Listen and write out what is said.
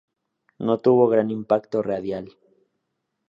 No tuvo gran impacto radial.